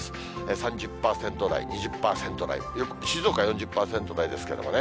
３０％台、２０％台、静岡４０％台ですけれどもね。